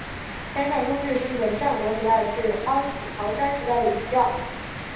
川上忠智是日本战国时代至安土桃山时代的武将。